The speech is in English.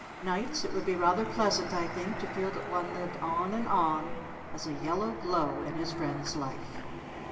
Nights it would be rather pleasant I think to feel that one lived on and on as a yellow glow in his friend's life."